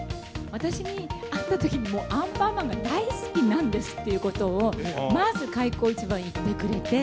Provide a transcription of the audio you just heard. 私に会ったときに、もうアンパンマンが大好きなんですっていうことを、まず開口一番言ってくれて。